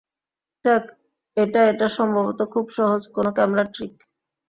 এটা এটা সম্ভবত খুব সহজ কোনো ক্যামেরা-ট্রিক।